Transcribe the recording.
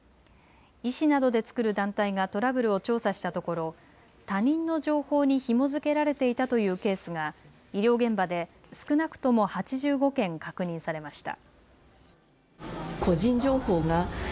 医師などでつくる団体がトラブルを調査したところ他人の情報にひも付けられていたというケースが医療現場で少なくとも８５件確認されました。